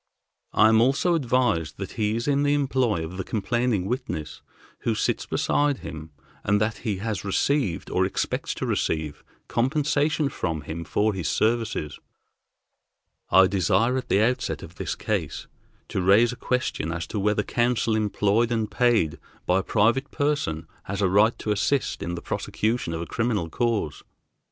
I am also advised that he is in the employ of the complaining witness who sits beside him, and that he has received, or expects to receive, compensation from him for his services. I desire at the outset of this case to raise a question as to whether counsel employed and paid by a private person has a right to assist in the prosecution of a criminal cause.